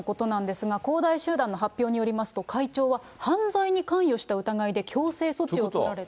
先月のことなんですが、恒大集団の発表によりますと、会長は犯罪に関与した疑いで強制措置を取られたと。